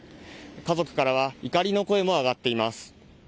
家族からは怒りの声も上がっています。